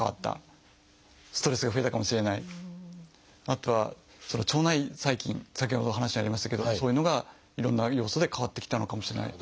あとは腸内細菌先ほどお話にありましたけどそういうのがいろんな要素で変わってきたのかもしれない。